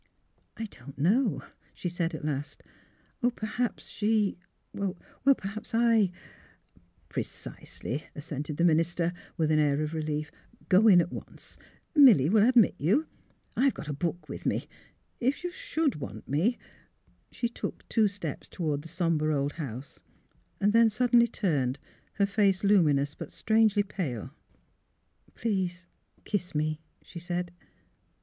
*' I — don't know," she said, at last. " Perhaps, she — perhaps I "'' Precisely," assented the minister, with an air of relief. " Go in at once; Milly will admit you. I have a book with me. If you should want me " She took two steps toward the sombre old house; then suddenly turned, her face luminous but strangely pale. " Please kiss me," she said.